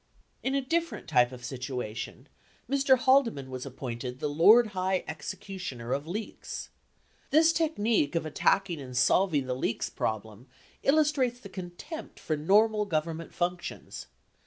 In a different type of situation, Mr. Haldeman was appointed "the Lord High Executioner of leaks." This technique of attacking and solving the leaks problem illustrates the contempt for normal Govern ment functions.